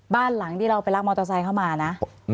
บ้านหลังที่เราไปรักมอเตอร์ไซค์เข้ามานะ